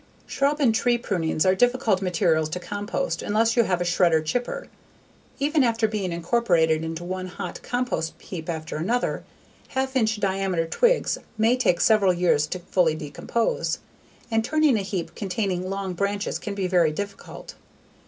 Shrub and tree prunings are difficult materials to compost unless you have a shredder/chipper. Even after being incorporated into one hot compost heap after another, half inch diameter twigs may take several years to fully decompose. And turning a heap containing long branches can be very difficult.